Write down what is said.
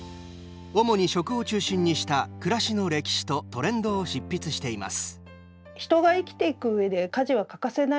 主に食を中心にした暮らしの歴史とトレンドを執筆しています。